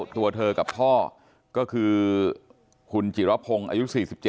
ตัวเธอกับพ่อก็คือคุณจิรพงศ์อายุ๔๗